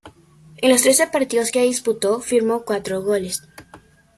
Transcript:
En los trece partidos que disputó, firmó cuatro goles.